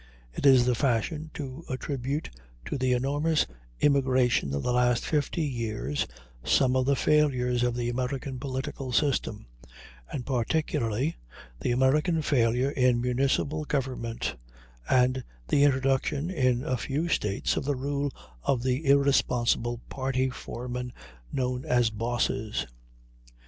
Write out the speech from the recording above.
It is the fashion to attribute to the enormous immigration of the last fifty years some of the failures of the American political system, and particularly the American failure in municipal government, and the introduction in a few States of the rule of the irresponsible party foremen known as "bosses."